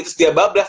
terus dia bablas